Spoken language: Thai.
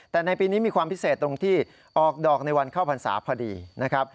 แต่ในปีนี้มีความพิเศษตรงที่ออกดอกในวันเข้าพรรษาพอดีนะครับ